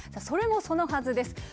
それもそのはずです。